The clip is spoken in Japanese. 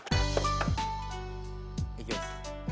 行きます。